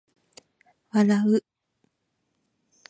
笑う